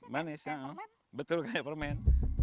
manis betul kayak permen